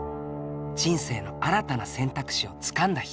人生の新たな選択肢をつかんだ人。